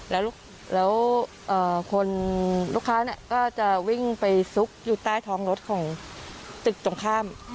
แล้วคนลูกค้าก็จะวิ่งไปซุกอยู่ใต้ท้องรถของตึกตรงข้าม